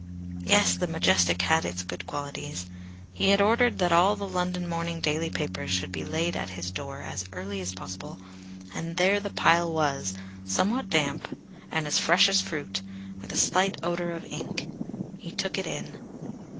Yes, the Majestic had its good qualities! He had ordered that all the London morning daily papers should be laid at his door as early as possible, and there the pile was, somewhat damp, and as fresh as fruit, with a slight odour of ink. He took it in.